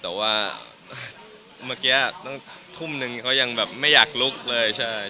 แต่ว่าเมื่อกี้ตั้งทุ่มนึงเขายังแบบไม่อยากลุกเลยใช่